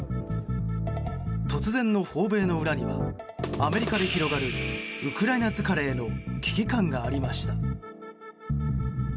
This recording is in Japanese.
突然の訪米の裏にはアメリカで広がるウクライナ疲れへの危機感がありました。